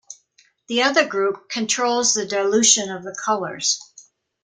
The other group controls the dilution of the colors.